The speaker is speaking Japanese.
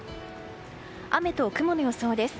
雨と雲の予想です。